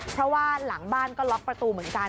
เพราะว่าหลังบ้านก็ล็อกประตูเหมือนกัน